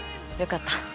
よかった。